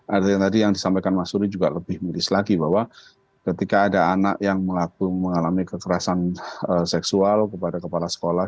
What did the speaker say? ada yang tadi yang disampaikan mas suri juga lebih miris lagi bahwa ketika ada anak yang mengalami kekerasan seksual kepada kepala sekolah